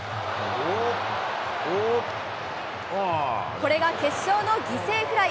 これが決勝の犠牲フライ。